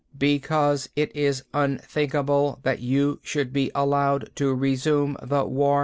"Because it is unthinkable that you should be allowed to resume the war.